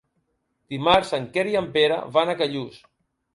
Dimarts en Quer i en Pere van a Callús.